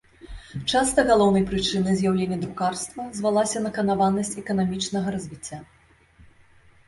Часта галоўнай прычынай з'яўлення друкарства звалася наканаванасць эканамічнага развіцця.